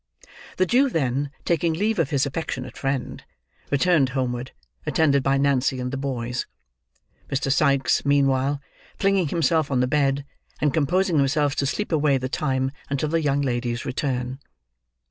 The Jew then, taking leave of his affectionate friend, returned homeward, attended by Nancy and the boys: Mr. Sikes, meanwhile, flinging himself on the bed, and composing himself to sleep away the time until the young lady's return.